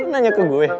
nanya ke gue